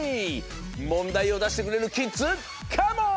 もんだいをだしてくれるキッズカモン！